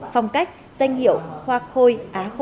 phong cách danh hiệu hoa khôi